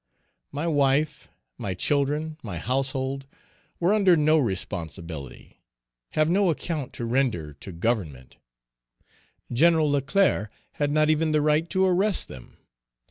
My wife, my children, my household, were under no responsibility, have no account to render to Government; General Leclerc had not even the right to arrest them.